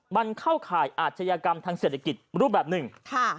มันเข้าข่ายอาชญากรรมทางเศรษฐกิจรูปแบบหนึ่ง